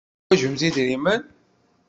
Teḥwajemt idrimen.